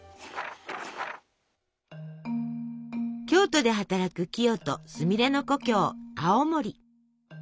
京都で働くキヨとすみれの故郷青森。